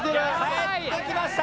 帰ってきました。